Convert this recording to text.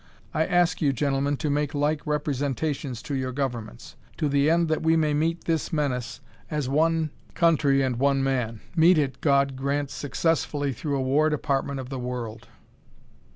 I ask you, gentlemen, to make like representations to your governments, to the end that we may meet this menace as one country and one man; meet it, God grant, successfully through a War Department of the World."